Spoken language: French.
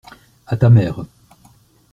À ta mère.